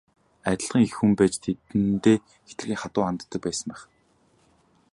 Адилхан эх хүн байж тэдэндээ хэтэрхий хатуу ханддаг байсан байх.